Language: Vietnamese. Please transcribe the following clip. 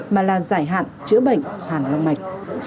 mà là giải hạn chữa bệnh hàn hoang mạch